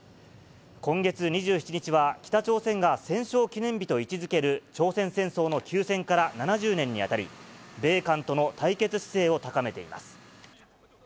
今月２７日は、北朝鮮が戦勝記念日と位置づける朝鮮戦争の休戦から７０年に当たり、米韓との対決姿勢を高めています。